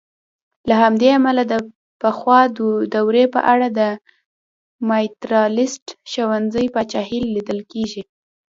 له همدې امله د پخوا دورې په اړه د ماتریالیسټ ښوونځي پاچاهي لیدل کېږي.